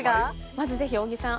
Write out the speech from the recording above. まずぜひ小木さん